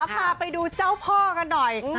พาไปดูเจ้าพ่อกันหน่อย